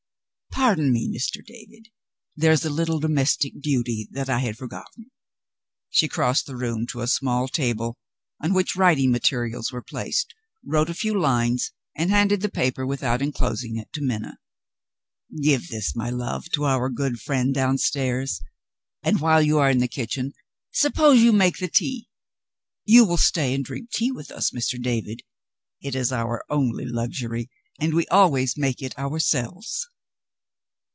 "Pardon me, Mr. David, there is a little domestic duty that I had forgotten." She crossed the room to a small table, on which writing materials were placed, wrote a few lines, and handed the paper, without enclosing it, to Minna. "Give that, my love, to our good friend downstairs and, while you are in the kitchen, suppose you make the tea. You will stay and drink tea with us, Mr. David? It is our only luxury, and we always make it ourselves."